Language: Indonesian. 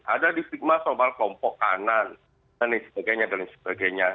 ada di stigma soal kelompok kanan dan lain sebagainya